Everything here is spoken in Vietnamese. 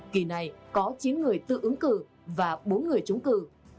kỳ này có chín người tự ứng cử và bốn người trúng cử